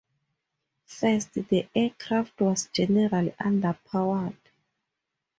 First, the aircraft was generally underpowered.